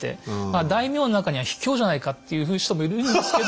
大名の中にはひきょうじゃないかって言う人もいるんですけど。